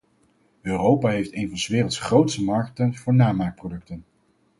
Europa heeft een van 's werelds grootste markten voor namaakproducten.